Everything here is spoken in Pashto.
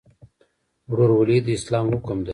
ورورولي د اسلام حکم دی